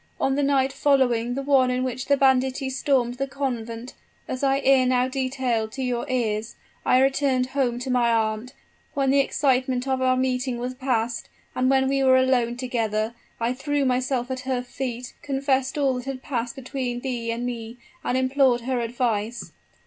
On the night following the one in which the banditti stormed the convent, as I ere now detailed to your ears, I returned home to my aunt. When the excitement of our meeting was past, and when we were alone together, I threw myself at her feet, confessed all that had passed between thee and me, and implored her advice.